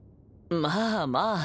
まあまあ。